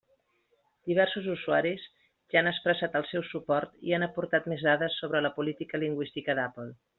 Diversos usuaris ja han expressat el seu suport i han aportat més dades sobre la política lingüística d'Apple.